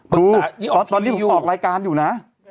อ๋อตอนนี้ผมออกรายการอยู่นะ